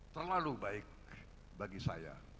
terlalu baik bagi saya